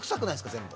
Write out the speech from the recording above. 全部。